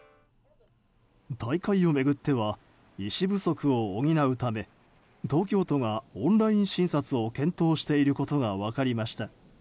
大会を巡っては医師不足を補うため東京都がオンライン診察を検討していることが分かりました。